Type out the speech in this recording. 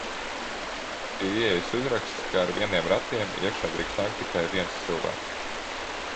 Pie ieejas uzraksts, ka ar vieniem ratiem iekšā drīkst nākt tikai viens cilvēks.